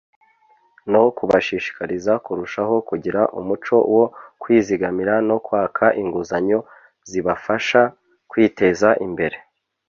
no kubashishikariza kurushaho kugira umuco wo kwizigamira no kwaka inguzanyo zibafasha kwiteza imbere